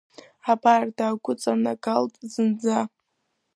Абар, дагәыҵанагалт зынӡа.